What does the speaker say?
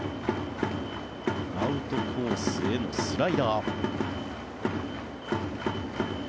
アウトコースへのスライダー。